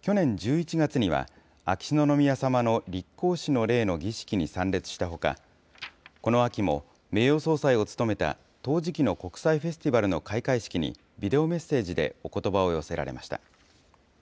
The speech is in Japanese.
去年１１月には、秋篠宮さまの立皇嗣の礼の儀式に参列したほか、この秋も名誉総裁を務めた陶磁器の国際フェスティバルの開会式に、ビデオメッセージでおことばを寄せられました。